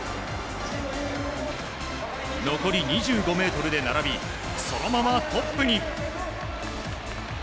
残り２５ｍで並びそのままトップに！